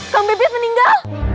kang bebit meninggal